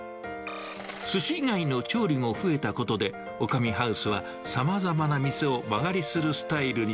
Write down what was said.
すし以外の調理も増えたことで、オカミハウスは、さまざまな店を間借りするスタイルに。